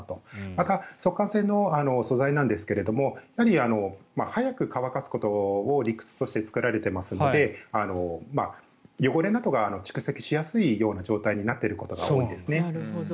また速乾性の素材なんですが早く乾かすことを理屈として作られていますので汚れなどが蓄積しやすいような状況になっていることが多いですね。